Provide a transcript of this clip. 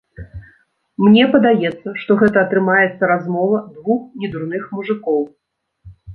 Мне падаецца, што гэта атрымаецца размова двух недурных мужыкоў.